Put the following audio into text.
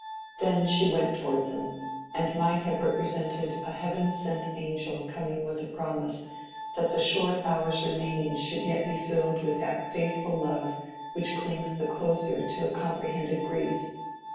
Then she went towards him, and might have represented a heaven sent angel coming with a promise that the short hours remaining should yet be filled with that faithful love which clings the closer to a comprehended grief.